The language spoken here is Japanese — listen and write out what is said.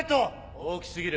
大きすぎる。